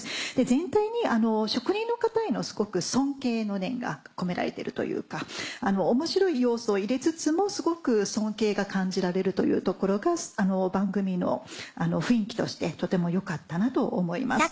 全体に職人の方へのすごく尊敬の念が込められているというか面白い要素を入れつつもすごく尊敬が感じられるというところが番組の雰囲気としてとても良かったなと思います。